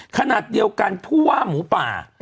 ขณะเดียวกันผู้ว่าหมูป่า